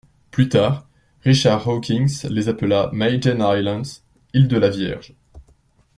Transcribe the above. Plus tard, Richard Hawkins les appela Maiden-Islands, îles de la Vierge.